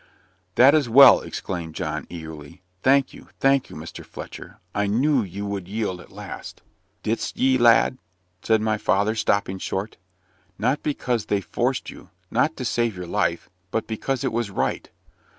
"That is well," exclaimed John, eagerly. "Thank you thank you, Mr. Fletcher I knew you would yield at last." "Didst thee, lad?" said my father, stopping short. "Not because they forced you not to save your life but because it was right."